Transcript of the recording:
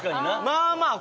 まあまあ